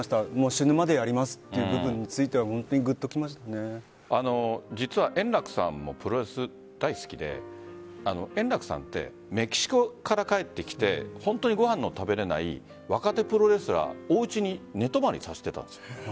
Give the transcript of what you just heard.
死ぬまでやりますという部分についても実は円楽さんもプロレス大好きで円楽さんってメキシコから帰ってきて本当にご飯の食べれない若手プロレスラーおうちに寝泊まりさせてたんです。